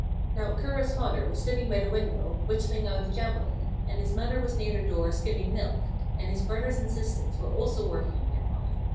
Now Kura's father was sitting by the window, whittling out a javelin, and his mother was near the door skimming milk, and his brother and sisters were also working near by.